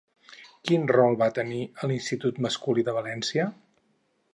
Quin rol va tenir a l'Institut masculí de València?